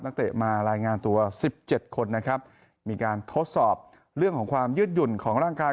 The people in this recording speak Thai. เตะมารายงานตัวสิบเจ็ดคนนะครับมีการทดสอบเรื่องของความยืดหยุ่นของร่างกาย